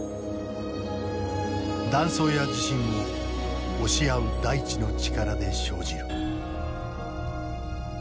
断層や地震も押し合う大地の力で生じる。